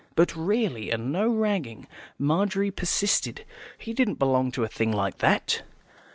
But really, and no ragging, Margery persisted, he didn't belong to a thing like that?